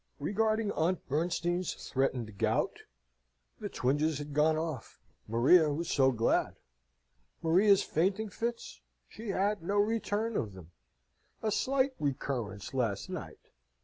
Regarding Aunt Bernstein's threatened gout? The twinges had gone off. Maria was so glad! Maria's fainting fits? She had no return of them. A slight recurrence last night.